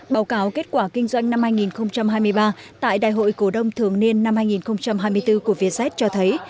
báo cáo kết quả kinh doanh năm hai nghìn hai mươi ba tại đại hội cổ đông thường niên năm hai nghìn hai mươi bốn của vietjet cho thấy